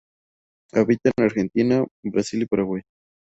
Habita en Argentina, Brasil y Paraguay.